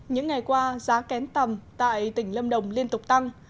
những ngày qua giá kén tầm tại tỉnh lâm đồng liên tục tăng